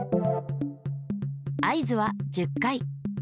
合図は１０回。